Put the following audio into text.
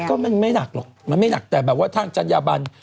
ก็มันไม่หนักหรอกมันไม่หนักแต่แบบว่าทางจัญญาบัน